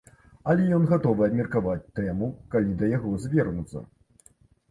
Але ён гатовы абмеркаваць тэму, калі да яго звернуцца.